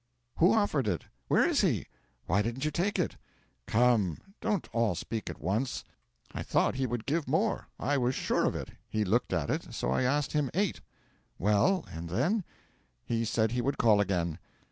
'"Who offered it?" '"Where is he?" '"Why didn't you take it?" '"Come don't all speak at once. I thought he would give more I was sure of it he looked it so I asked him eight." '"Well and then?" '"He said he would call again."